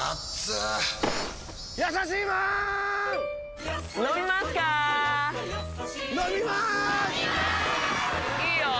いいよー！